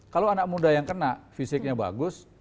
kalau anak muda yang kena fisiknya bagus